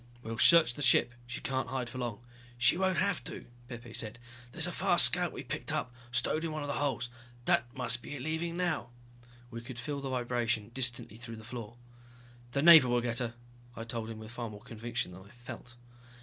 "We'll search the ship, she can't hide for long." "She won't have to," Pepe said. "There's a fast scout we picked up, stowed in one of the holds. That must be it leaving now." We could feel the vibration, distantly through the floor. "The Navy will get her," I told him, with far more conviction than I felt.